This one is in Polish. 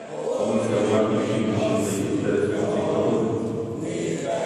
Komisja uważnie przyjrzy się tej interesującej propozycji